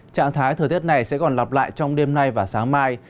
trạng thái thời tiết này sẽ còn lặp lại trong đêm nay và sáng mai